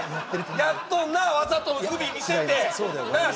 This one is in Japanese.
やっとんなわざと不備見せてなあ